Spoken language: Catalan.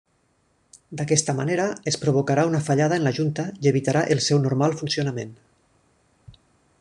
D'aquesta manera, es provocarà una fallada en la junta i evitarà el seu normal funcionament.